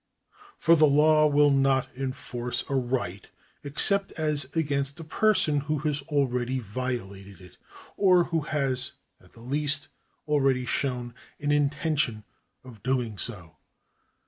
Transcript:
For the law will not enforce a right except as against a person who has already violated it, or who has at the least already shown an intention of doing so.